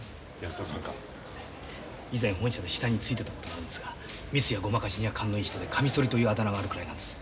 以前本社で下についてたことがあるんですがミスやごまかしには勘のいい人でカミソリというあだ名があるくらいなんです。